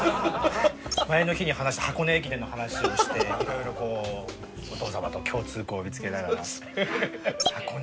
前の日に話した箱根駅伝の話をして色々こうお父さまと共通項を見つけながら。